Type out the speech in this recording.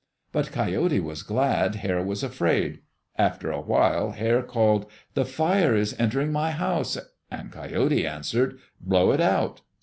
But Coyote was glad Hare was afraid. After a while Hare called, "The fire is entering my house," and Coyote answered, "'Blow it out!"